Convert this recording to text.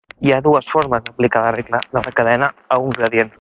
HI ha dues formes d'aplicar la regla de la cadena a un gradient.